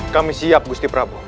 kami siap gusti prabu